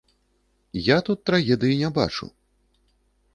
Я тут трагедыі не бачу.